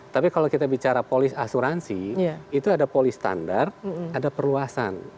tapi kalau kita bicara polis asuransi itu ada polis standar ada perluasan